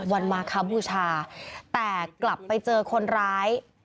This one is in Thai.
มาครับบูชาแต่กลับไปเจอคนร้าย